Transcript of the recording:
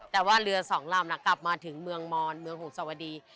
แต่ว่าเรือสองลำกลับมาถึงเมืองมอนเมืองหงสวดี